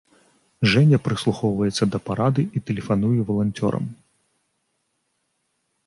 Жэня прыслухоўваецца да парады і тэлефануе валанцёрам.